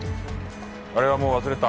あれはもう忘れた。